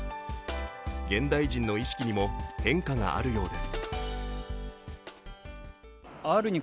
現代人の意識にも変化があるようです。